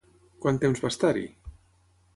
Quant temps va estar-hi?